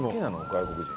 外国人。